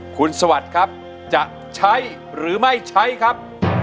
คุณสวัสดิ์ครับจะใช้หรือไม่ใช้ครับ